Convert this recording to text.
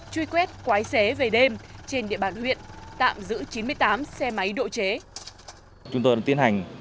truy quét quái xế về đêm trên địa bàn huyện tạm giữ chín mươi tám xe máy độ chế